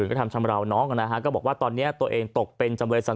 สุดท้ายตัดสินใจเดินทางไปร้องทุกข์การถูกกระทำชำระวจริงและตอนนี้ก็มีภาวะซึมเศร้าด้วยนะครับ